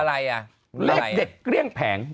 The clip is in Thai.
เรียกเด็กเครียงแผง